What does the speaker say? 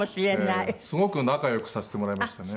すごく仲良くさせてもらいましたね。